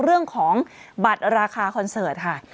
เรื่องของบัตรราคาคอนเสิร์ตค่ะ